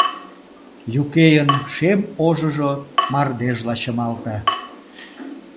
Юкейын шем ожыжо мардежла чымалте.